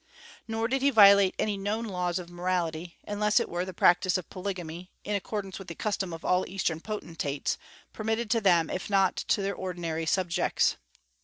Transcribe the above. Nor did he violate any known laws of morality, unless it were the practice of polygamy, in accordance with the custom of all Eastern potentates, permitted to them if not to their ordinary subjects.